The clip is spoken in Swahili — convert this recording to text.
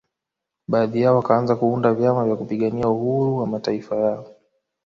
Baadhi yao wakanza kuunda vyama vya kupigania uhuru wa mataifa yao